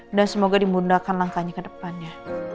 dan semoga dimudahkan langkahnya ke depannya